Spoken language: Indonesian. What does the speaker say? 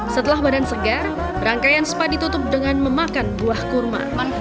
setelah badan segar rangkaian spa ditutup dengan memakan buah kurma